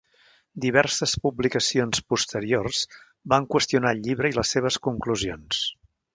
Diverses publicacions posteriors van qüestionar el llibre i les seves conclusions.